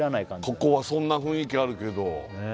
ここはそんな雰囲気あるけどねえ